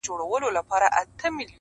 د زلمیو د مستۍ اتڼ پر زور سو!